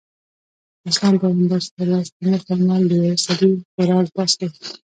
د اسلام پيغمبر ص وفرمايل د يوه سړي خوراک بس دی.